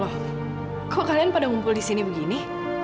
wah kok kalian pada ngumpul di sini begini